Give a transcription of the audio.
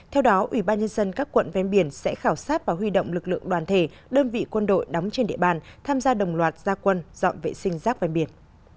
theo đó ủy ban nhân dân các quận ven biển sẽ khảo sát và huy động lực lượng đoàn thể đơn vị quân đội đóng trên địa bàn tham gia đồng loạt ra quân dọn vệ sinh rác ven biển